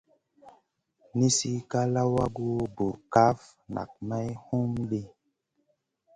Nisi ká lawagu burkaf nak may hum ɗi.